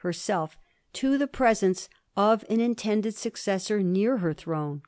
19 herself, to the presence of an intended successor near her throne.